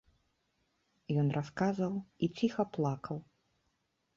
Ён расказваў і ціха плакаў.